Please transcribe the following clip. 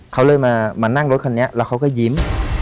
เขาเลยมานั่งรถคันนี้แล้วเขาก็ยิ้ม